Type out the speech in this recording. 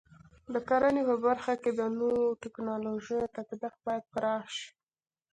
د کرنې په برخه کې د نوو ټکنالوژیو تطبیق باید پراخ شي.